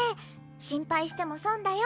心配しても損だよ